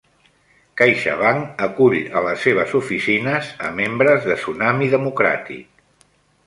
CaixaBank acull a les seves oficines a membres de Tsunami Democràtic